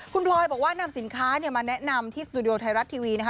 คุณพลอยบอกว่านำสินค้ามาแนะนำที่สตูดิโอไทยรัฐทีวีนะคะ